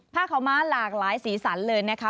ผ้าขาวม้าหลากหลายสีสันเลยนะคะ